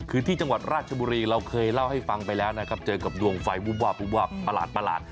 คือที่จังหวัดราชบุรีเราเคยเล่าให้ฟังไปแล้วนะครับเจอกับดวงไฟวูบวาบูมวาบประหลาด